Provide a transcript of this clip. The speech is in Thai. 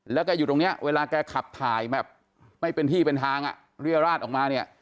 แล้วแกอยู่ตรงนี้เวลาแกขับถ่ายแบบไม่เป็นที่เป็นทางอ่ะเรียราชออกมาเนี่ย